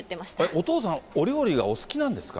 お父さん、お料理がお好きなんですか？